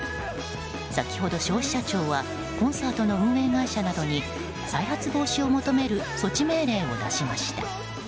先ほど、消費者庁はコンサートの運営会社などに再発防止を求める措置命令を出しました。